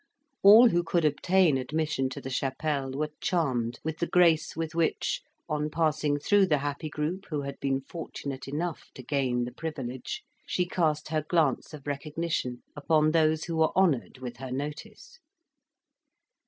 All who could obtain admission to the chapelle were charmed with the grace with which, on passing through the happy group who had been fortunate enough to gain the privilege, she cast her glance of recognition upon those who were honoured with her notice.